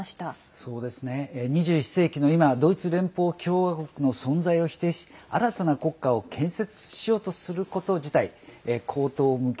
そうですね、２１世紀の今ドイツ連邦共和国の存在を否定し新たな国家を建設しようとすること自体荒唐無稽。